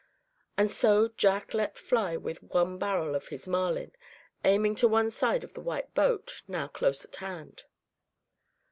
And so Jack let fly with one barrel of his Marlin, aiming to one side of the white boat, now close at hand.